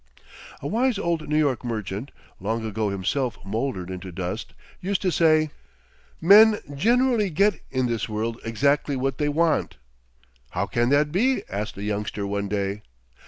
A wise old New York merchant, long ago himself mouldered into dust, used to say: "Men generally get in this world exactly what they want." "How can that be?" asked a youngster one day.